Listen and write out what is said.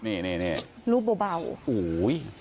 ลูบเบาเห็นไหมครับลูบเบาเห็นไหมครับลูบเบา